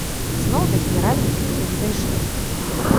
Зноў да генеральнай бітвы не дайшло.